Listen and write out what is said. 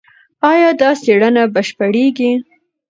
ایا دا څېړنه بشپړېږي؟